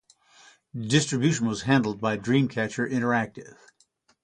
Distribution was handled by Dreamcatcher Interactive.